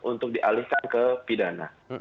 untuk dialihkan ke pidana